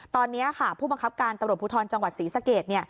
ตอนนี้ค่ะผู้บังคับการตำรวจภูทรจังหวัดศรีสะเกด